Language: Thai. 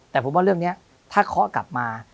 แต่ผมว่าเรื่องนี้ถ้าเคาะกลับมา